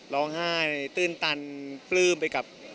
ร้องไห้ตื้นตันปลื้มไปกับ